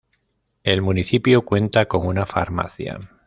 El municipio cuenta con una farmacia.